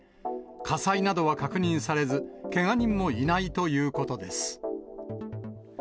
火災などは確認されず、けが人もいないということです。